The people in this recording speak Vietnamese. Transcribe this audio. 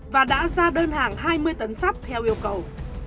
và đã ra đơn hàng hai mươi tấn sắt theo yêu cầu